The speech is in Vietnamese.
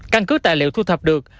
căn cứ tài liệu thu thập được